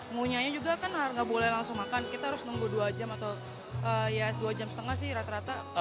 maunya juga kan nggak boleh langsung makan kita harus nunggu dua jam atau ya dua jam setengah sih rata rata